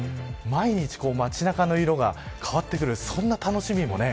毎日、街中の色が変わってくるという楽しみもね。